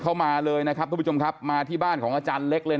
เข้ามาเลยนะครับทุกผู้ชมครับมาที่บ้านของอาจารย์เล็กเลย